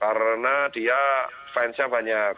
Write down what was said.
karena dia fansnya banyak